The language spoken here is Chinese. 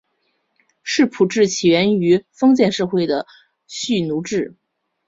世仆制起源于封建社会的蓄奴制。